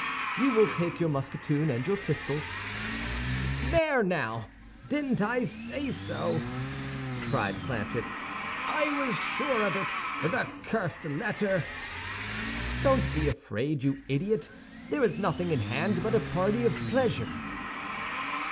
"You will take your musketoon and your pistols." "There, now! Didn't I say so?" cried Planchet. "I was sure of it—the cursed letter!" "Don't be afraid, you idiot; there is nothing in hand but a party of pleasure."